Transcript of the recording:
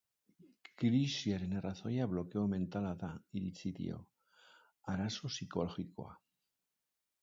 Krisiaren arrazoia blokeo mentala dela iritzi dio, arazo psikologikoa.